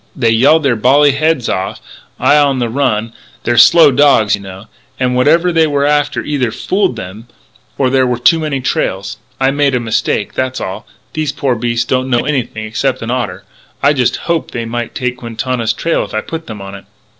They yelled their bally heads off I on the run they're slow dogs, you know and whatever they were after either fooled them or there were too many trails.... I made a mistake, that's all. These poor beasts don't know anything except an otter. I just hoped they might take Quintana's trail if I put them on it."